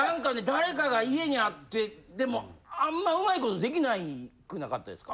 誰かが家にあってでもあんま上手いことできなくなかったですか？